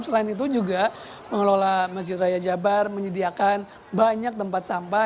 selain itu juga pengelola masjid raya jabar menyediakan banyak tempat sampah